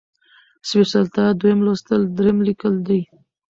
سپېڅلتيا ، دويم لوستل ، دريم ليکل دي